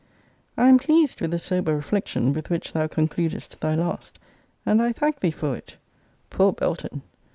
I am pleased with the sober reflection with which thou concludest thy last; and I thank thee for it. Poor Belton!